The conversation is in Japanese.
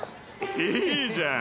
いいじゃん。